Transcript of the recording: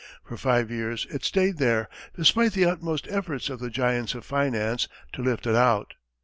For five years it stayed there, despite the utmost efforts of the giants of finance to lift it out.